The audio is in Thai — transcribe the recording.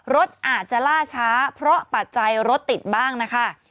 รถอาจจะล่าช้าเพราะปัจจัยรถติดบ้างนะคะ